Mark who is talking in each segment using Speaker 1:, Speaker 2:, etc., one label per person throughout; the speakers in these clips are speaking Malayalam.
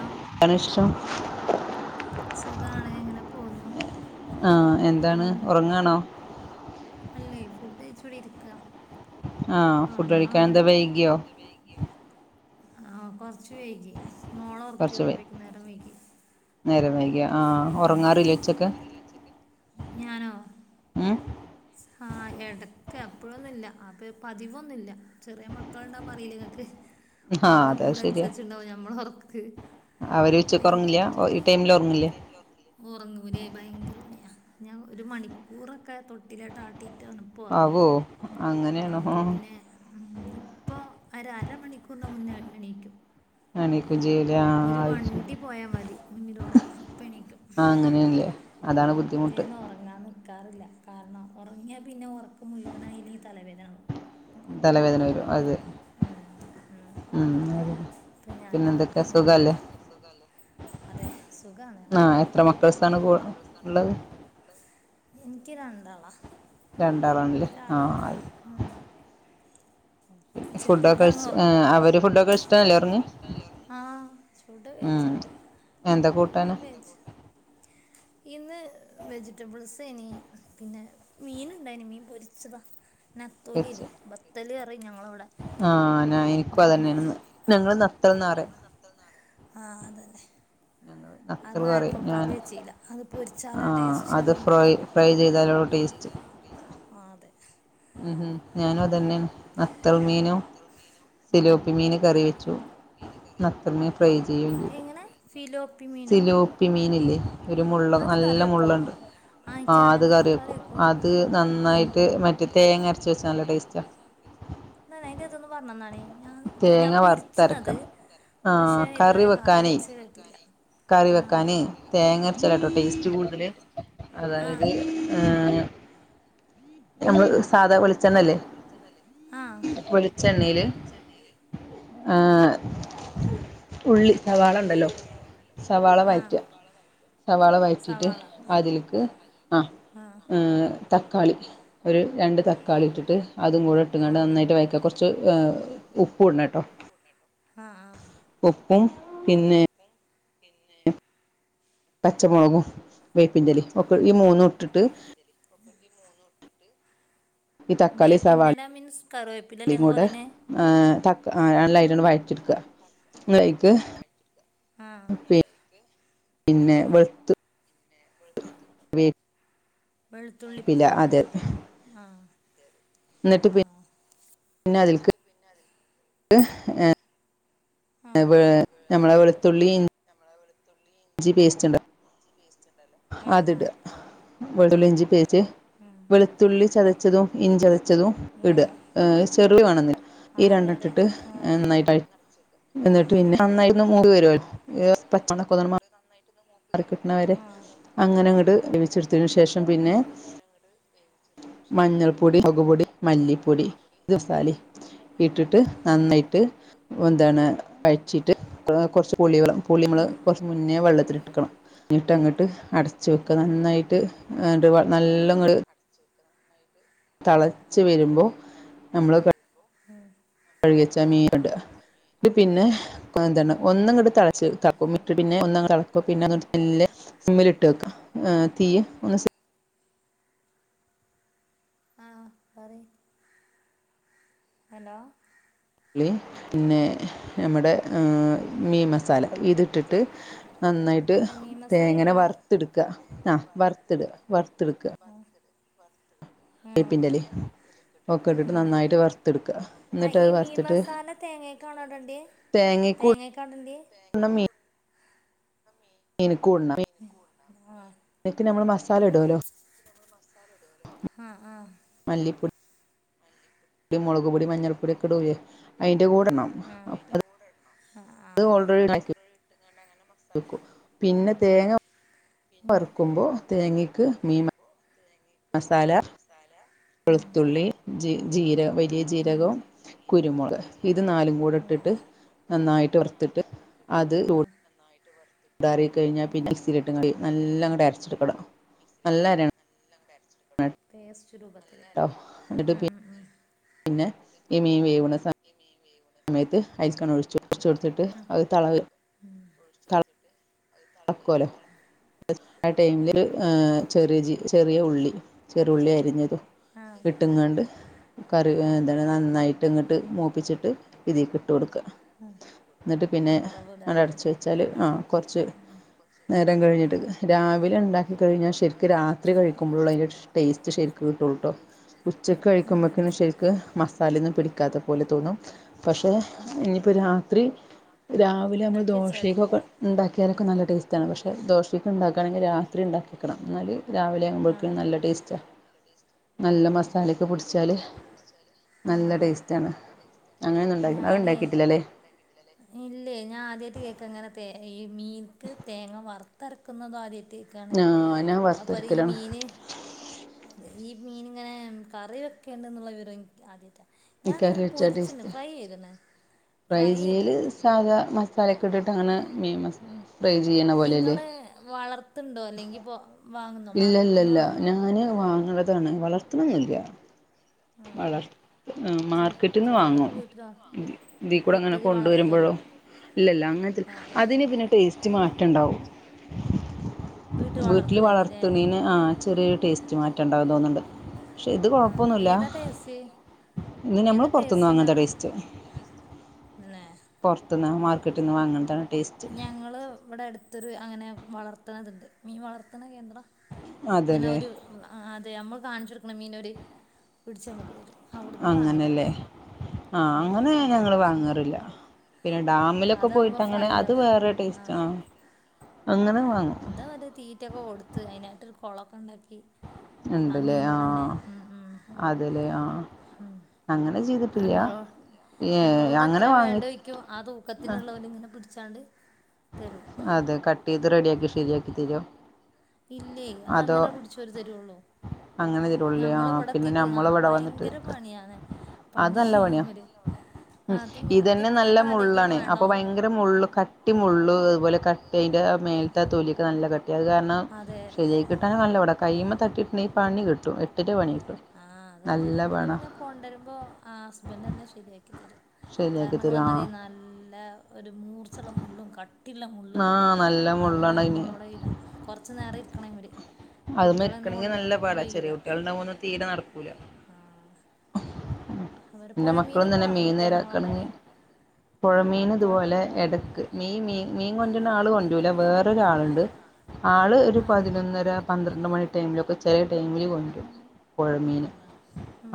Speaker 1: ആഹ് എന്താണ് വിശേഷം സുഖാണ് അങ്ങനെ പോവുന്നു ഉം എന്താണ് ഒറങ്ങാണോ അല്ലെ ഫുഡ് കഴിച്ച് ഇവിടിരിക്ക ഉറങ്ങണോന്ന് ഫുഡ് കഴിക്കൻ എന്താ വൈകിയോ ആഹ് കൊറച്ച് വൈകി മോളെ ഒറക്കി വന്ന പേക്ക് നേരം വൈകി
Speaker 2: നേരം വൈ
Speaker 1: നേരം വൈകി ആഹ് ഒറങ്ങാറില്ലെ ഉച്ചക്ക് ഞാനോ
Speaker 2: ഉം
Speaker 1: ആഹ് എടക്ക് എപ്പഴൊന്നുല്ല അത് പതിവൊന്നുല്ല ചെറിയ മക്കളുണ്ടാവുമ്പോ അറിയില്ലെ ങ്ങക്ക് ഓലെ മൂഡനുസരിച്ചുണ്ടാവും ഞമ്മളോറക്ക്
Speaker 2: അവര് ഉച്ചയ്ക്ക് ഒറങ്ങില്ല ഈ ടൈമില് ഒറങ്ങില്ലേ
Speaker 1: ലോറങ്ങില്ലേ ഒറങ്ങൂലെ ഭയങ്കര പണിയാ ഞാൻ ഒരു മണിക്കൂറൊക്കെ തൊട്ടിലിട്ടായിട്ട് വേണം പൊറങ്ങി ആവോ അപ്പ പിന്നെ. ഉം ഇനി ഇപ്പൊ ഒരരമണിക്കൂറ് മുന്നേ എണീക്കും. ഒരു വണ്ടി പോയാ മതി മുന്നിലൂടെ. പ്പ ണീക്കും അപ്പ ഞാൻ ഉറങ്ങാൻ നിക്കാറില്ല കാരണം ഉറങ്ങിയ പിന്നെ ഉറക്ക് മുഴുവനായില്ലേങ്കിൽ തലവേദന ആവും.
Speaker 2: തലവേദന വരും അതെ ഉം.
Speaker 1: ഇപ്പൊ ഞാന് അങ്ങനെ. അതെ സുഖാണ് അങ്ങനെ പോകുന്നു എത്ര മക്കൾസ് ആണ് കൂടെ. എനിക്ക് രണ്ടാളാ ഒരാള് ആഹ്. ആഹ് ചെർതാണ് ഉറങ്ങണത്. ആഹ് ഫുഡൊക്കെ കഴിച്ച്. ഫുഡ്യൊക്കെ കയിച് ഇന്ന് വെജിറ്റബിൾസേനി പിന്നെ. മീന് ഇണ്ടായിന് മീൻ പൊരിച്ചതാ. നത്തോലിനി ബത്തല് പറി ഞങ്ങളവിടെ ഞാ. ആഹ് അതന്നെ.
Speaker 2: ഞങ്ങള്.
Speaker 1: അതായപ്പ കറി വച്ചില്ല അത് പൊരിച്ചാല ടേസ്റ്റ് അർഞ്ഞ്ട്ട്. ആഹ് അതെ.
Speaker 2: ഉം ഉം ഞാനതന്നെണ് നത്തൾ മീനും. സിലോപ്പി മീന് കറി വെച്ചു നത്തൾ മീൻ ഫ്രൈ ചെയ്യുകയും ചെയ്തു. സിലോപ്പി മീനില്ലേ ഒരു മുള് നല്ല മുള്ളുണ്ട്. ആഹ് അത് കറി വെക്കും അത് നന്നായിട്ട് മറ്റേ തേങ്ങ അരച് വെച്ച നല്ല ടേസ്റ്റാ. ഉ
Speaker 1: ന്താണത് യിന്റതൊന്ന് പറഞ്ഞന്നാണി ഞാൻ ഞാൻ പൊരിച്ചണത്.
Speaker 2: ആഹ് കറി വെക്കാനേ.
Speaker 1: കേക്ക്നില്ല
Speaker 2: കറി വെക്കാൻ തേങ്ങരചാലാട്ടോ ടേസ്റ്റ് കൂടുതൽ അതായത്. ആഹ് ഞമ്മൾ
Speaker 1: നമ്മള് സാധാ വെളിളിച്ചണ്ണല്ലേ.
Speaker 2: വെളിച്ചെണ്ണയില്. ആഹ് ഉള്ളി സവാളണ്ടല്ലോ. സവാള വയറ്റ. സവാള വഴറ്റിട്ട് അതില്ക്ക് ആഹ് തക്കാളി ഒരു രണ്ട് തക്കാളി ഇട്ടിട്ട്. അതും കൂടെ ഇട്ട്ങ്ങാണ്ട് നന്നായിട്ട് വയറ്റ കൊറച്ച് ഉപുഡ്‌ണട്ടോ.
Speaker 1: ആഹ് ആഹ്.
Speaker 2: ഉപ്പും പിന്നെ. പച്ചമുളകും വേപ്പിൻന്റലി ഒക്കെ ഈ മൂന്നും ഇട്ടിട്ട്.
Speaker 1: വേപ്പിന്റ മീൻസ് കറിവേപ്
Speaker 2: ളിയും കൂടെ ഏഹ് തക് നന്നായിട്ടൊന്ന് വഴറ്റെടുക്ക. ന്ന്ട്ട് അയിക്ക് പി പിന്നെ വെളുത്. വേപ്
Speaker 1: വെളുത്തുള്ളി ആഹ്.
Speaker 2: എന്നിട്ട് പിന് പിന്നെ അതിൽക്ക്. ഏ വെ മ്മളെ വെളുത്തുള്ളി ഇ
Speaker 1: നമ്മളെ വലത്തുള്ളി.
Speaker 2: ഇഞ്ചി പേസ്റ്റ്ണ്ട്.
Speaker 1: പേസ്റ്റ്ണ്ടല്ലോ ആഹ് ആഹ്
Speaker 2: വെളുത്തുള്ളി ഇഞ്ചി പേച്ച് വെളുത്തുള്ളി ചതച്ചതും ഇഞ്ചതച്ചതും ഇട്വാ. ഏഹ് ചെറുള്ളി വേണന്ന് ഈ രണ്ട്ട്ടിട്ട് അന്നായിട്ട് എന്നിട്ട് പിന്നെ നന്നായിട്ടന്ന് മൂത്തുവെറോല്ലോ ര് പച്ചോക്കൊന്ന് മാറി
Speaker 1: നായിട്ടൊന്ന് മൂ
Speaker 2: മാറിക്കിട്ടണവരെ അങ്ങനങ്ങട്ട് വേവിച്ചെടുത്തതിന് ശേഷം പിന്നേ മഞ്ഞൾപ്പൊടി മൊളകുപൊടി മല്ലിപ്പൊടി സാലി ഇട്ടിട്ട് നന്നായിട്ട് ഒന്താണ് വയറ്റീട്ട് കൊറച്ച് പുളി പുളി നമ്മള് കൊറച്ച് മുന്നേ വെള്ളത്തില്ട്ട്ക്കണം. ഇഞ്ഞിട്ടങ്ങോട്ട് അടച്ച് വെക്കാ നന്നായിട്ട് [unintelligible] നല്ലോങ്ങട്
Speaker 1: നല്ലോങ്ങട്ട് തെളച്ച് വെരുമ്പോ
Speaker 2: കഴുകെച്ചാ മീൻ ഇടാ പിന്നെ എന്താണ് ഒന്നുങ്ങട്ട് തെളച്ച് ഒന്നിട്ട് പിന്നെ ഒന്നാട്ടേളക്കും പിന്നെ അതാണ്ട് മെല്ലെ സിമ്മ്ല്ട്ട് വെക്ക തീയ് ഒന്ന്
Speaker 1: ആഹ് പറയ്. ഹലോ?
Speaker 2: ലി പിന്നെ അമ്മടെ ഏഹ് മീൻ മസാല ഇതിട്ടിട്ട് നന്നായിട്ട് തേങ്ങനെ വറ്ത്തെടുക്കാ ക്ക ആഹ് വറുത്തെട വറ്ത്തെടുക്കാ.
Speaker 1: [unintelligible]
Speaker 2: വേപ്പിൻ്റെലേം ഒക്കെട്ടിട്ട് നന്നായിട്ട് വറ്ത്തെട്ക്ക്വാ.
Speaker 1: ആയ് ഈ മീൻ മസാല തേങ്ങേക്കാണോടണ്ട്യേ തേങ്ങേക്കാ ഇടണ്ട്യേ?
Speaker 2: [unintelligible] മീന്ക്കൂടണം മീന്ക്ക് ഞമ്മള് മസാല ഇടോല്ലോ.
Speaker 1: ആഹ് ആഹ്.
Speaker 2: മല്ലിപ്പൊടി മൊളക്പൊടി മഞ്ഞൾപ്പൊടി ഒക്കെടൂലേ അയിന്റെ കൂടെടണം
Speaker 1: ആഹ് ആഹ് ആഹ്.
Speaker 2: പിന്നെ തേങ്ങ വറക്കുമ്പോ തേങ്ങക്ക് മീൻ മസാല
Speaker 1: മസാല
Speaker 2: വെളുത്തുള്ളി ജീ ജീരക വലിയ ജീരകം, കുരുമൊളക് ഇത് നാലും കൂടെ ഇട്ടിട്ട് നന്നായിട്ട് വറുത്തിട്ട് അത്
Speaker 1: [inaudible]
Speaker 2: ചൂടാറി കഴിഞ്ഞാ പിന്നെ മിക്സീല്ട്ട്ങ്ങാണ്ട് നല്ല അരച്ചങ്ങെടുക്കണം നല്ല അരയണം
Speaker 1: പേസ്റ്റ് രൂപത്തിൽ ഉം ഉം ഉം.
Speaker 2: പിന്നെ ഈ മീൻ വേവണ സമയ
Speaker 1: ഈ മീൻ വേവണ
Speaker 2: സമയത്ത് [inaudible] ഒഴിച്ച് ഒഴിച്ചൊടുത്തിട്ട് അത് തളവ്
Speaker 1: ഉം.
Speaker 2: ആക്കോലോ. ആഹ് ടൈമില് ആഹ് ഒര് ചെറിയ ജീ ചെറിയ ഉള്ളി ചെറ്യുള്ളി അരിഞ്ഞത് വിട്ടുംങ്ങാണ്ട് കറി എന്താണ് നന്നായിട്ട് ഇങ്ങട്ട് മൂപ്പിച്ചിട്ട് ഇതീക്ക് ഇട്ട് കൊട്ക്കാ. എന്നിട്ട് പിന്നെ അത് അടച്ച് വെച്ചാല് ആഹ് കൊറച്ച് നേരം കഴിഞ്ഞിട്ട് രാവിലെയുണ്ടാക്കി കഴിഞ്ഞാ ശെരിക്കും രാ ത്രി കഴിക്കുമ്പോള്ളൂ അയിന്റെ ടേസ്റ്റ് ശരിക്ക് കിട്ടോള്ളൂട്ടോ ഉച്ചക്ക് കഴിക്കുമ്പത്തേനും ശെരിക്ക് മസാലയൊന്നും പിടി ക്കാത്ത പോലെ തോന്നും പക്ഷെ ഇഞ്ഞിപ്പോ രാത്രി രാവിലെ അമ്മള് ദോശേക്കൊയുണ്ടാക്കിയാല് നല്ല ടേസ്റ്റാണ് പക്ഷേ ദോശയ്ക്കുണ്ടാക്കാണെങ്കി രാത്രിയുണ്ടാക്കി വെക്കണം എന്നാല് രാവിലെ ആകുമ്പഴേക്കും നല്ല ടേസ്റ്റാ നല്ല മസാലയൊക്കെ പിടിച്ചാല് നല്ല ടേസ്റ്റ് ആണ് അങ്ങനെ
Speaker 1: ഞാനെ ഇല്ലേ ഞാ ആദ്യായിട്ട് കേ ക്ക് അങ്ങനെ തേ ഈ മീൻക്ക് തേങ്ങ വറുത്തരക്കുന്നുന്നതും ആദ്യാട്ട് ക്കാണ് പ പറേം ഈ മീന് ഈ മീൻ ഇങ്ങനെ കറിവെക്കെണ്ടെന്നുള്ള വിവരം ഇന് ആദ്യായിട്ടാ ഞാന്നിങ്ങനെ പൊരിച്ച്ണ് ഫ്രൈ ചെയ്തുണ് ഫ്രൈ ചെയ്തണ് ഇങ്ങള് വളർത്ത്ണ്ടോ അല്ലെങ്കിപ്പോ
Speaker 2: ഇല്ല ല്ല ല്ല ഞങ്ങള് വാങ്ങതാണ് വളർത്തുന്നില്ല വളർ ആഹ് മാർക്കറ്റിന്ന് വാങ്ങും ഇതി ഇതി കൂടെ അങ്ങനെ കൊണ്ടുവരുമ്പോഴോ ഇല്ലില്ല അങ്ങനതൊരു അതിന് പിന്നെ ടേസ്റ്റ് മാറ്റണ്ടാവും
Speaker 1: പറ്റുണ്ടാവും
Speaker 2: വീട്ടില് വളർത്തുണെന് ആഹ് ചെറിയൊരു ടേസ്റ്റ് മാറ്റം ഉണ്ടാവൂ തോന്നുണ്ട് ക്ഷെ ഇത് കൊഴപ്പൊന്നുല്ല
Speaker 1: ഏതാ ടേസ്റ്റുണ്ടാവ തന്നെ ഉം ഞങ്ങള് ഇവിടടു തൊരു അങ്ങനെ വളർത്തണതുണ്ട് മീൻ വളർത്തണ കേന്ദ്രം ഇങ്ങനെ ഒരു ഇഹ് ആഹ് അതെ നമ്മൾ കാണിച്ചു കൊടുക്കണ മീനൊര് പിടിച്ച നമുക്ക് തരും അവിടുന്ന് വാങ്ങ ഡാൻസ് [unintelligible]
Speaker 2: ആഹ് അങ്ങനെ ഞങ്ങള് വാങ്ങാറില്ല പിന്നെ ഡാമിലൊക്കെ പോയിട്ട് അങ്ങനെ അത് വേറെ ടേസ്റ്റാ
Speaker 1: ആഹ് അതാ ഒതു തീറ്റൊക്കെ കൊടുത്ത് അയിനായിട്ടൊരു കുളൊക്കെ ഉണ്ടാക്കി
Speaker 2: ഉണ്ട്ല്ലേ ആഹ് അതല്ലേ ആഹ് ആഹ് അങ്ങനെ ചെയ്
Speaker 1: അമ്മളോ നമ്മളോട് എത്ര വേണ്ടോയ്ക്കും ആ തൂക്കത്തിനുള്ളോലിങ്ങനെ പിടി ച്ചാണ്ട് തരും
Speaker 2: അതെ കട്ട് ചെയ്ത് റെഡിയാക്കി ശരിയാക്കി തരോ
Speaker 1: ഇല്ലേ അത് അങ്ങനെ പിടിചോരു തരുള്ളൂ ഞമ്മൾ ഇവിടെത്തിട്ട് ആഹ് ഭയങ്കര പണിയാണ് പണീ ഇവര്
Speaker 2: ഉം ഇതന്നെ നല്ല മുള്ളാണ് അപ്പൊ ഭയങ്കര മുള്ള് ക ട്ടിമുള്ള് അതുപോലെ കട്ട്യ്ൻ്റെ മേൽത്തെ തൊലിയൊക്കെ നല്ല ക അത് കാരണം ശെരിയായികിട്ടാനാ നല്ല പാടാ കയ്യുമ്മേ തട്ടിട്ടുണ്ടെങ്കിൽ പണി കിട്ടും എട്ടിന്റെ പണി കിട്ടും
Speaker 1: ആഹ് അതന്നെ ഇബിടെ പിന്നെ കൊണ്ടെരുമ്പോൾ ആഹ് ഹസ്ബന്റ് തന്നെ ശരിയാക്കി തരും കാരണങ്ങൾ പറഞ്ഞാതിരി നല്ല ഒരു മൂർച്ചഒള്ള മുള്ളും കട്ടിയുള്ള മുള്ളും അത് നമ്മളോടയില്ല കുറച്ചു നേരം ഇരിക്കണ ഇവര് കുട്ടികളൊന്നേ കൊണ്ടേ അയ്മേ കഴിയൂല്ല
Speaker 2: മോനു തീരെ നിർബന്ധം എന്റെ മക്കളിന്നലെ മീൻ നേരാക്കണ് പൊഴമീനിതുപോലെ എടക്ക് മീ മീൻ മീൻ കൊണ്ടുവര്ന്നാൾ കൊന്റുല വേറൊരാളുണ്ട് ആള് ഒരു പതിനൊന്നര പന്ത്രണ്ട് മണി ടൈമിലൊക്കെ ചെല ടൈമില് കൊണ്ടുവരം പൊഴമീന്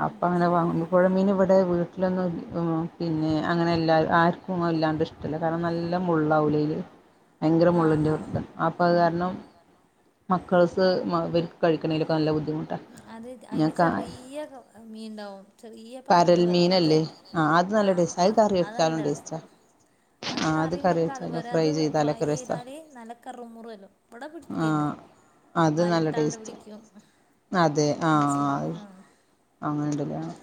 Speaker 2: അപ്പ അങ്ങനെ വാങ്ങുള്ളൂ പുഴമീന് ഇവിടെ വീട്ടിലൊന്നും ഉംഹ് പിന്നെ അങ്ങനൽ ല്ലാ ആർക്കും അത് ഇല്ലാണ്ട് ഇഷ്ടല്ല കാരണം നല്ല മുള്ളാവുലെ ഭയങ്കര മുള്ളിന്റെ പുറത്ത് ആപ്പ അത് കാരണം
Speaker 1: അത് അതിന്റെ ചെറിയ ക മീൻണ്ടാവും ചെറിയ പരല് അത് ആഹ് അതല്ല രസാ അത് കറിവെക്കാം അതുപോലെ അത് ഫ്രൈ ചെയ്താൽ നല്ല കറു മുറു ചെല്ലോ ഇബടെ പിടിക്കേണ്ട്
Speaker 2: അത് നല്ല ടേസ്റ്റ് അതെ ആഹ് അങ്ങനെണ്ടല്ലേ ആഹ്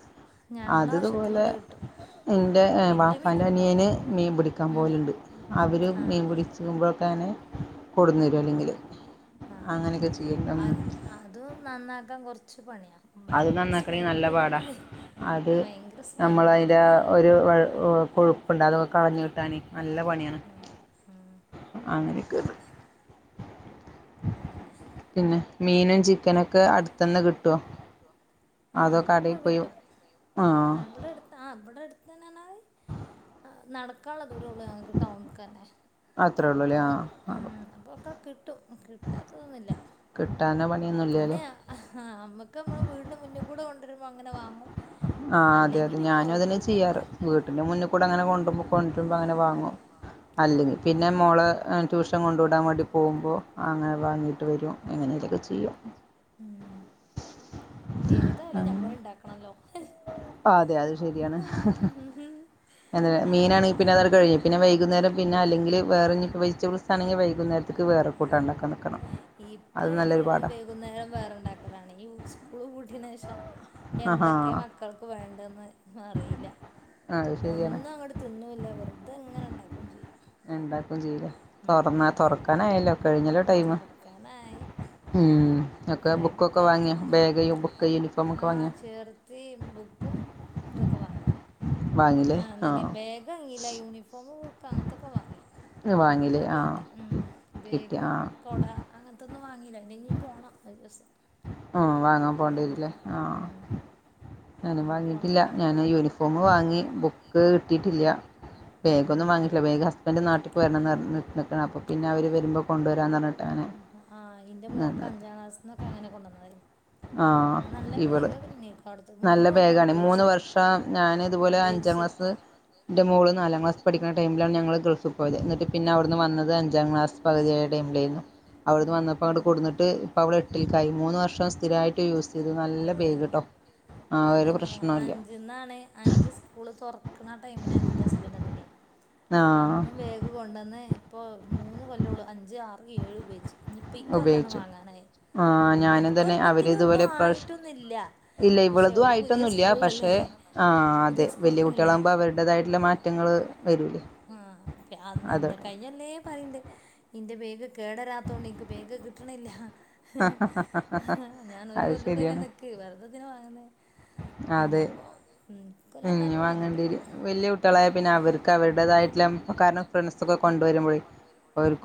Speaker 1: ഞങ്ങള ആവശ്യത്തിനൊള്ള കിട്ടും
Speaker 2: എന്റെ വാപ്പാന്റെ അനിയന് മീൻ പിടിക്കാൻ പോകലുണ്ട് അവര് മീൻ പിടിച്ച് [unintelligible]
Speaker 1: തന്നെ
Speaker 2: കൊടുന്നരും അല്ലെങ്കി ല് അങ്ങനെക്കെ ചെയ്യണം
Speaker 1: അത് നന്നാക്കാൻ കൊറച്ച് പണിയാ ഭയങ്കര സ്മെല്ലു ആണ് ഭയങ്കര സ്മെല്ലായിന്
Speaker 2: ഒരു കൊഴുപ്പുണ്ട് അതൊക്കെ കളഞ്ഞ് കിട്ടാന് നല്ല പണിയാണ് അങ്ങനെക്കെയെണ്ട്‌
Speaker 1: അത് തന്നെ
Speaker 2: പിന്നെ മീനും ചിക്ക്‌
Speaker 1: മീനും ചിക്കാനുമൊക്കെ അടുത്തൂന് കിട്ടുവോ ആഹ് അതൊക്കെ കിട്ടും ആഹ് ഇവിടെ ആഹ് ഇവിടെ അടുത്ത് തന്നാണത് നടക്കാള്ള ദൂരേ ഉള്ളൂ ഞങ്ങൾക്ക് ടൗണക്ക് തന്നെ അപ്പോ അവിട ഉം അപ്പൊക്കെ കിട്ടും കിട്ടാത്തതൊന്നുമില്ല
Speaker 2: കിട്ടാന പണി
Speaker 1: പിന്നെ നമ്മക്ക് നമ്മളെ വീട്ന്റെ മുന്ന് കൂടെ കൊണ്ട്ര്മ്പോ അങ്ങനെ വാങ്ങും
Speaker 2: ആ അതെ അതെ ഞാനും അത് തന്നെ ചെയ്യാറ് വീട്ട്ന്റെ മുന്ന് കൂടെ അങ്ങനെ കൊണ്ട കൊണ്ട്ര്മ്പോ അങ്ങനെ വാങ്ങും അല്ലെങ്കി പിന്നെ മോളെ ട്യൂഷൻ കൊണ്ട് വിടാൻ വേണ്ടി പോവുമ്പോ അങ്ങനെ വാങ്ങിയിട്ട് വരും എങ്ങനെലൊക്കെ ചെയ്യും
Speaker 1: ഉം ഏതാലും ഞമ്മള് ഇണ്ടാക്കണല്ലോ
Speaker 2: അതെ അത് ശരിയാണ്
Speaker 1: ങ്‌ഹ്
Speaker 2: എന്ത് മീനാണെങ്കി പിന്നെ അതാണ്ട് കഴിയും പിന്നെ വൈകുന്നേരം പിന്നെ അല്ലെങ്കില് വേറെ ഇഞ്ഞിപ്പ വെജിറ്റബിൾസ്
Speaker 1: ഇപ്പ അല്ലേലും വൈകുന്നേരം വേറെണ്ടാ ക്കലാണ് യൂസ് സ്കൂള് പൂട്ടിയേനെഷം എന്തക്കെ മക്കൾക്ക് വേണ്ടെന്ന് അറീല ഒന്നും അങ്ങട്ട് തിന്നുല്ല വെർതെങ്ങനെ ഇണ്ടാക്കും ചെയ്യും
Speaker 2: ഇണ്ടാകും ചെയ്യും ലെ തൊറന്ന തൊറക്കാനായല്ലോ കഴിഞ്ഞല്ലോ ടൈമ് ഉം ഒക്ക ബുക്കൊക്കെ വാങ്ങിയൊ ബെഗ് ബുക്ക് യൂനിഫോം ഒക്കെ വാങ്ങിയൊ
Speaker 1: ഈ ബുക്കും ഇതൊക്കെ വാങ്ങി ആ [unintelligible] ബെഗ് വാങ്ങീല്ല യൂണിഫോമ് ബുക്ക്‌ അങ്ങൻത്തൊക്കെ വാങ്ങി അതൊക്കെ കിട്ടി ഉം ബേഗും കൊട അങ്ങൻത്തൊന്നും വാങ്ങീല്ല ഇണ്ടങ്കി പോണം ഒരു ദിവസം
Speaker 2: ആ വാങ്ങാം പോണ്ടിയരു ലെ ആ ഞാനും വാങ്ങിട്ടില്ല ഞാന് യൂനിഫോമ് വാങ്ങി ബുക്ക് കിട്ടിട്ടില്ല ബെഗോന്നും വാങ്ങിട്ടില്ല ബേഗ് ഹസ്ബൻഡ് നാട്ട്ക്ക് ‌ വര്ണന്ന് പർഞ് നിക്ക്ണ് അപ്പ പിന്നെ അവര് വരുമ്പ
Speaker 1: ആ ഇന്റെ മോൾക്ക് അഞ്ചാം ക്ലാസ്സ്ന്നൊക്കെ അങ്ങനെ കൊണ്ടന്നതേനി നല്ല ബെഗക്കന്നെ [unintelligible] മൂന്ന് കൊല്ലം ഓള് ഉപയോഗിച്ച് ഉപയോഗിച്ച് അഞ്ചം ക്ലാസ്സ്‌
Speaker 2: ഇന്റെ മോള് നാലാം ക്ലാസ്സ്‌ പഠിക്ക്ണ ടൈമിലാണ് ഞങ്ങള് ഗൾഫ് പോയത് ന്നട്ട് പിന്നെ അവ്ട്ന്ന് വന്ന ത് അഞ്ചാം ക്ലാസ് പകുതിയായ ടൈമിലായ്രുന്നു അവ്ട്ന്ന് വന്നപ്പങ്ങട് കൊട്ന്ന്ട്ട് ഇപ്പ അവള് എ
Speaker 1: അതെ അതന്നെ അഞ്ച ഞ്ച്ന്നാണ് അഞ്ച് സ്കൂള് തൊർക്ക്ണ ആ ടൈമിനാണ് ഇന്റെ ഹസ്ബൻഡ് വന്നീനെ അന്ന് ബേ ഗ് കൊണ്ടന്ന് ഇപ്പോ മൂന്ന് കൊല്ലോള് അഞ്ച് ആറ് ഏഴ് ഉപയോഗിച്ച് ഇഞ് ഇപ്പ ഇക്കൊല്ലാണ് വാങ്ങാനായെ ഉം ഇക്കൊല്ലത്തിനൊന്നും ആയിട്ടൊന്നു ഇല്ല
Speaker 2: ഇല്ല ഇവളതും ആയിട്ടൊന്നുല്ല പക്ഷെ ആ അതെ വല്ല്യ കുട്ടിയളാവുമ്പ അവരുടേതായിട്ടുള്ള മാറ്റങ്ങള് വരൂലെ
Speaker 1: ആ അന്ന് ഇന്ന് കൈ ല്ലേ പറയിണ്ട് ഇന്റെ ബേഗ് കേടരാത്തോണ്ട് ഇൻക്ക് ബേഗ് കിട്ട്ണില്ല ഞാൻ ഒരു കൊല്ലൂടി അങ്ങനെ നിക്ക് വെർതന്തിന വാങ്ന്നെ ഇഞ്ഞിപ്പോ ഉം ഇക്കൊല്ലം എന്തായാലും വാങ്ണ്ട് ഉം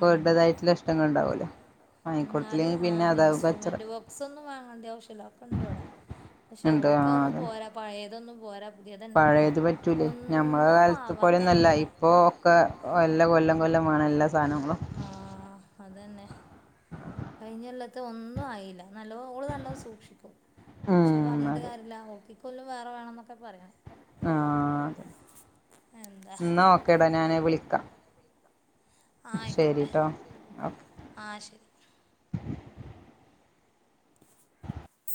Speaker 1: ഉം ന്നാലു ആ ഇൻസ്ട്രൂമെന്റ് ബോ സൊന്നും വാങ്ങണ്ട ആവശ്യല്ല അതൊക്കെ ഇണ്ട് ഇവടെ പക്ഷെ ഓൽക്ക് അതൊന്നും പോരാ പയെതൊന്നും പോരാ പുതിയെതന്നെ കിട്ടണം ഒന്നും ആവാത്ത ഇണ്ട് ഇവടെ
Speaker 2: ക്ക എല്ല കൊല്ലം കൊല്ലം വാണം എല്ലാ സാനങ്ങളും
Speaker 1: ആ അതന്നെ കഴിഞ്ഞൊല്ലത്തെ ഒന്നും ആയീല്ല നല്ലോ ഓള് നല്ലോം സൂക്ഷിക്കും പക്ഷെ പറഞ്ഞിട്ട് കാര്യല്ല ഓക്ക് ഈ കൊല്ലം വേറെ വേണന്നൊക്കെ പറയണേ എന്താ ഇന്നാ ഓക്കെഡാ ഞാന് ആഹ് ആയിക്കോട്ടെ ശരീട്ടോ ആഹ് ശരി